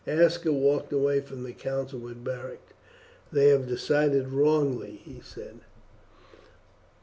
Aska walked away from the council with Beric. "They have decided wrongly," he said.